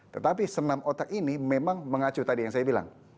tetapi senam otak ini memang mengacu tadi yang saya bilang